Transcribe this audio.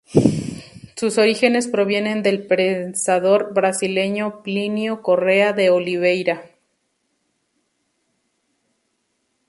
Sus orígenes provienen del pensador brasileño Plinio Corrêa de Oliveira.